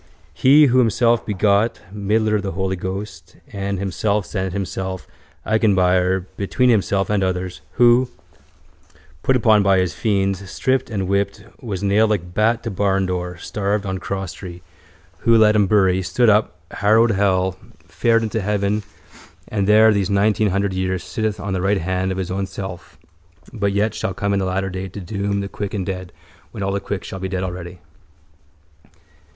He Who Himself begot middler the Holy Ghost and Himself sent Himself, Agenbuyer, between Himself and others, Who, put upon by His fiends, stripped and whipped, was nailed like bat to barndoor, starved on crosstree, Who let Him bury, stood up, harrowed hell, fared into heaven and there these nineteen hundred years sitteth on the right hand of His Own Self but yet shall come in the latter day to doom the quick and dead when all the quick shall be dead already.